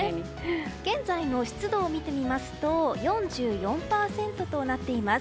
現在の湿度を見てみますと４４％となっています。